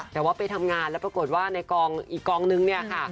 แต่ว่าไปทำงานแล้วปรากฏว่าในกองอีกกองนึงเนี่ยค่ะ